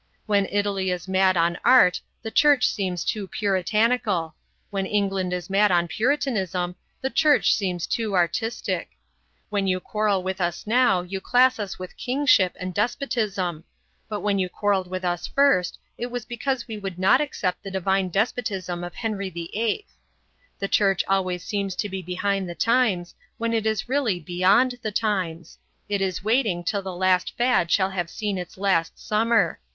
When Italy is mad on art the Church seems too Puritanical; when England is mad on Puritanism the Church seems too artistic. When you quarrel with us now you class us with kingship and despotism; but when you quarrelled with us first it was because we would not accept the divine despotism of Henry VIII. The Church always seems to be behind the times, when it is really beyond the times; it is waiting till the last fad shall have seen its last summer.